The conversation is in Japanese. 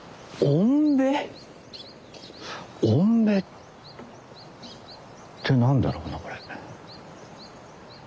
「おんべ」って何だろうなこれ。